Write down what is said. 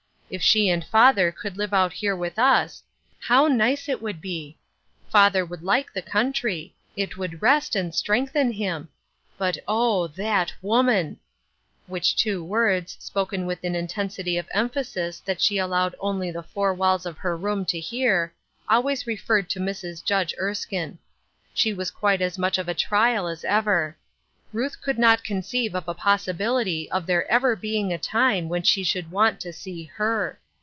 If she and father could live out here with us, how nice it would " Bitter Sweetr 381 be ! Father would like the country ; it would rest and strengthen him. But, oh ! that woman /" Which two words, spoken with an intensity of emphasis that she allowed only the four walls of her room to hear, always referred to Mrs. Judge Erskine. She was quite as much of a trial as ever. Ruth could not conceive of a possibility of there ever being a time when she should want to see her.